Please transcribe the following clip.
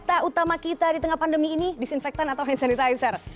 dan senjata utama kita di tengah pandemi ini disinfektan atau hand sanitizer